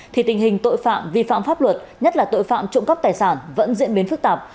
thì tình hình tội phạm vi phạm pháp luật nhất là tội phạm trộm cắp tài sản vẫn diễn biến phức tạp